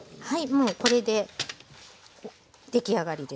もうこれで出来上がりです。